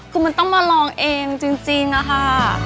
คือมันต้องมาลองเองจริงนะคะ